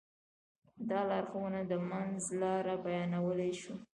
دا لارښوونه د منځ لاره بيانولی شو.